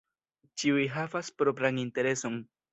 Ĉiuj havas propran intereson.